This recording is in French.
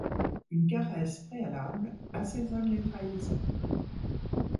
Une caresse préalable assaisonne les trahisons.